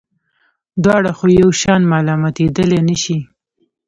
دواړه خو یو شان ملامتېدلای نه شي.